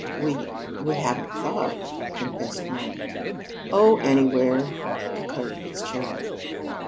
"We we haven't thought," confessed Marna. "Oh, anywhere," declared Fitzgerald.